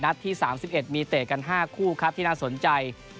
ที่๓๑มีเตะกัน๕คู่ครับที่น่าสนใจ